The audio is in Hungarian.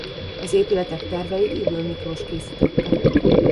Az épületek terveit Ybl Miklós készítette.